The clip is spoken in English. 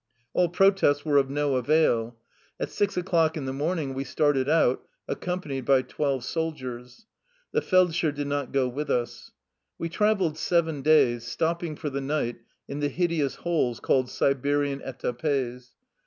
All protests were of no avail. At six o'clock in the morning we started out, accompanied by twelve soldiers. The feld sher did not go with us. We traveled seven days, stopping for the night in the hideous holes called Siberian etapes.